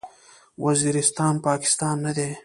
وزیرستان، پاکستان نه دی.